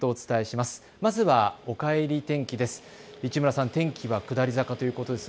まずは、おかえり天気です。